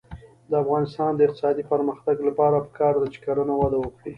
د افغانستان د اقتصادي پرمختګ لپاره پکار ده چې کرنه وده وکړي.